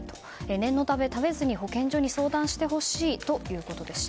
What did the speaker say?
念のため食べずに保健所に相談してほしいということでした。